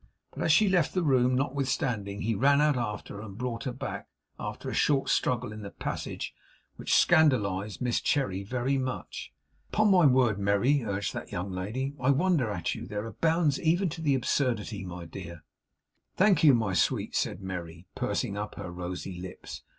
But as she left the room notwithstanding, he ran out after her, and brought her back, after a short struggle in the passage which scandalized Miss Cherry very much. 'Upon my word, Merry,' urged that young lady, 'I wonder at you! There are bounds even to absurdity, my dear.' 'Thank you, my sweet,' said Merry, pursing up her rosy Lips.